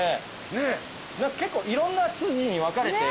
結構いろんな筋に分かれて。